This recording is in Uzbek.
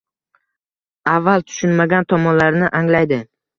avval tushunmagan tomonlarini anglaydi.